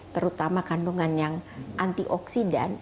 terutama kandungan yang antioksidan